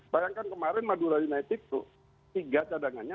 bayangkan kemarin madura united tuh tiga cadangannya